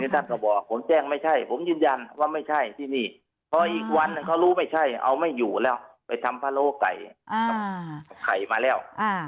ท่านก็บอกผมแจ้งไม่ใช่ผมยืนยันว่าไม่ใช่ที่นี่พออีกวันหนึ่งเขารู้ไม่ใช่เอาไม่อยู่แล้วไปทำพะโล้ไก่กับไข่มาแล้ว